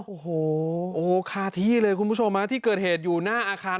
โอ้โหคาที่เลยที่เกิดเผยอยู่หน้าอาคาร